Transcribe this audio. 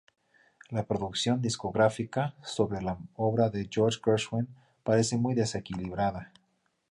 La producción discográfica sobre la obra de George Gershwin parece muy desequilibrada.